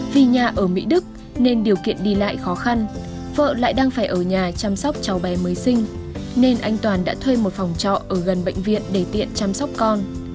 vì nhà ở mỹ đức nên điều kiện đi lại khó khăn vợ lại đang phải ở nhà chăm sóc cháu bé mới sinh nên anh toàn đã thuê một phòng trọ ở gần bệnh viện để tiện chăm sóc con